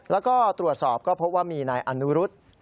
แล้วก็ตรวจสอบก็พบว่ามีนายอนุรุษ